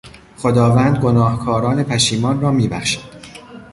خداوند گناهکاران پشیمان را میبخشد.